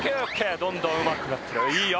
どんどんうまくなってるいいよ